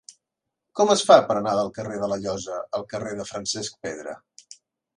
Com es fa per anar del carrer de la Llosa al carrer de Francesc Pedra?